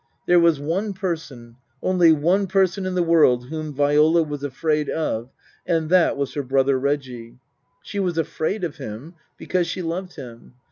There was one person, only one person, in the world whom Viola was afraid of, and that was her brother Reggie. She was afraid of him because she loved him.